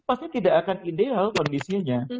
pasti tidak akan ideal kondisinya